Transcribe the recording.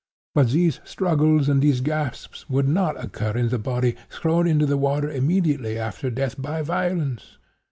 But these struggles and these gasps would not occur in the body 'thrown into the water immediately after death by violence.